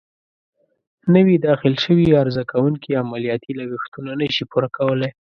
نوي داخل شوي عرضه کوونکې عملیاتي لګښتونه نه شي پوره کولای.